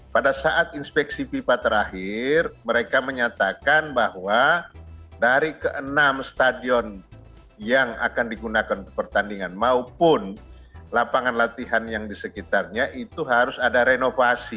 pada saat inspeksi fifa terakhir mereka menyatakan bahwa dari keenam stadion yang akan digunakan untuk pertandingan maupun lapangan latihan yang di sekitarnya itu harus ada renovasi